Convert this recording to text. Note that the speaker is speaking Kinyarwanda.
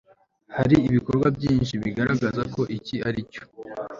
Hari ibikorwa byinshi bigaragaza ko iki aricyo